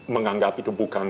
menganggap itu bukan